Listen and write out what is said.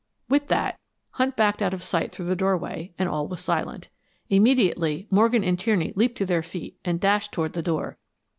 With that, Hunt backed out of sight through the doorway and all was silent. Immediately, Morgan and Tierney leaped to their feet and dashed toward the door.